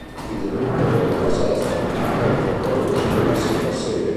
Il direttore della Sala stampa è il portavoce della Santa Sede.